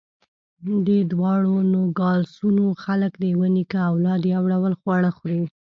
د دواړو نوګالسونو خلک د یوه نیکه اولاد، یو ډول خواړه خوري.